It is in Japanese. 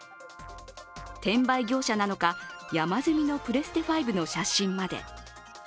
転売業者なのか、山積みのプレステ５の写真まで。